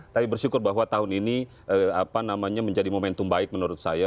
tapi bersyukur bahwa tahun ini menjadi momentum baik menurut saya